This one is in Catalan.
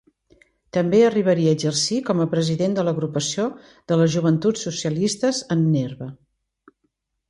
També arribaria a exercir com a president de l'agrupació de les Joventuts Socialistes en Nerva.